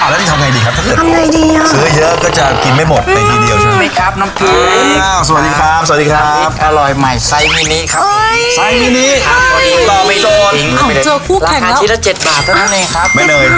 แล้วนี่ทำยังไงดีครับถ้าเกิดทำยังไงดีอ่ะซื้อเยอะก็จะกินไม่หมดไปทีเดียวใช่ไหม